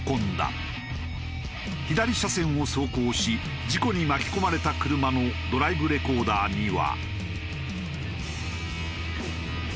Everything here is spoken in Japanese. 左車線を走行し事故に巻き込まれた車のドライブレコーダーには。